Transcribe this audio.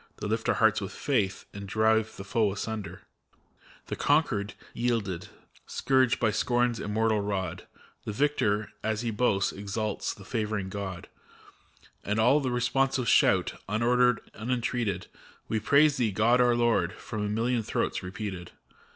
That lift our hearts with faith, and drive the foe asunder. The Conquered yielded, scourged by Scorn's immortal rod; The Victor, as he boasts, exalts the favoring God ; And all responsive shout, unordered, unentreated : "We praise Thee, God our Lord !" from million throats repeated.